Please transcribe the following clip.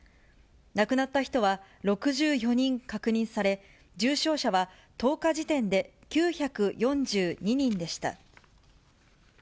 亡くなった人は６４人確認され、重症者は１０日時点で９４２人でした。